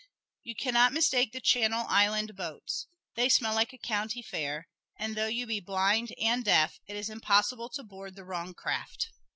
You can not mistake the Channel Island boats they smell like a county fair, and though you be blind and deaf it is impossible to board the wrong craft.